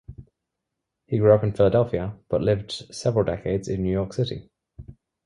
He grew up in Philadelphia, but lived several decades in New York City.